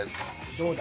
どうだ？